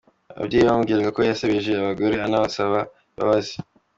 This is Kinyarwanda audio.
Ababyeyi bamubwiraga ko yasebeje abagore anabasaba imbabazi.